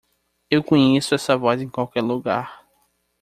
Eu conheço essa voz em qualquer lugar.